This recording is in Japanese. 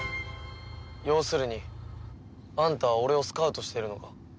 要するにあんたは俺をスカウトしているのか？